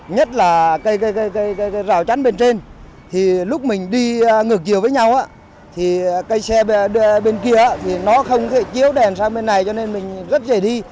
nhất là cây rào chắn bên trên thì lúc mình đi ngược chiều với nhau thì cây xe bên kia thì nó không thể chiếu đèn sang bên này cho nên mình rất dễ đi